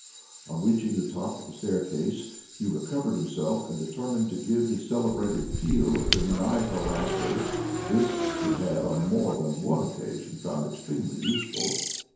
On reaching the top of the staircase he recovered himself, and determined to give his celebrated peal of demoniac laughter. This he had on more than one occasion found extremely useful.